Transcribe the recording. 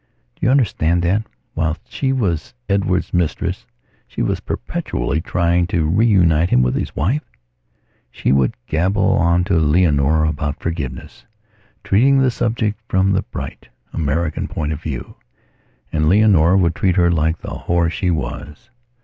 Do you understand that, whilst she was Edward's mistress, she was perpetually trying to reunite him to his wife? She would gabble on to Leonora about forgivenesstreating the subject from the bright, American point of view. And Leonora would treat her like the whore she was.